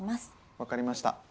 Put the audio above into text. わかりました。